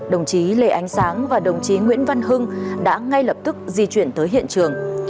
đồng chí lê ánh sáng và đồng chí nguyễn văn hưng đã ngay lập tức di chuyển tới hiện trường